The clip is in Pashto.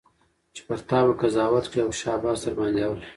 چي پر تا به قضاوت کړي او شاباس درباندي اوري